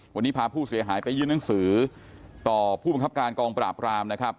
วันนี้พาผู้เสียหายไปยื่นหนังสือต่อผู้บังคับการกองปราบรามนะครับ